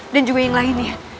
dan juga yang lainnya